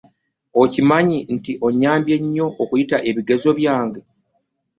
Okimanyi nti onyambye nnyo okuyita ebigezo byange.